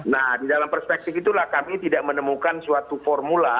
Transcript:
nah di dalam perspektif itulah kami tidak menemukan suatu formula